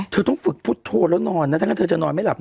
เธอต้องฝึกพุทธโทแล้วนอนนะถ้างั้นเธอจะนอนไม่หลับนะ